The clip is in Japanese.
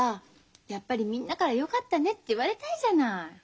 やっぱりみんなからよかったねって言われたいじゃない。